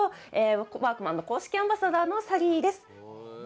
ワークマンの公式アンバサダーのサリーです。